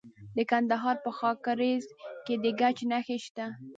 د کندهار په خاکریز کې د ګچ نښې شته.